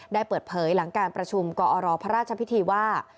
ได้เปิดเผยหลังการประชุมกอรพระราชพิธีว่า